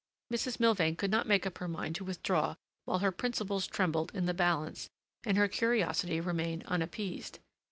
Mrs. Milvain could not make up her mind to withdraw while her principles trembled in the balance and her curiosity remained unappeased.